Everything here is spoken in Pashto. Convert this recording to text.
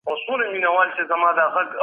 په زور زده کړه هېڅکله پایله نه ورکوي.